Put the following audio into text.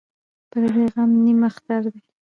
ـ پردى غم نيم اختر دى.